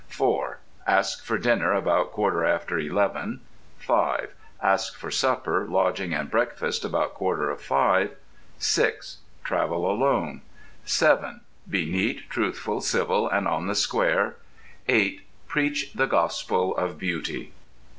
(4) Ask for dinner about quarter after eleven. (5) Ask for supper, lodging, and breakfast about quarter of five. (6) Travel alone. (7) Be neat, truthful, civil, and on the square. (8) Preach the Gospel of Beauty.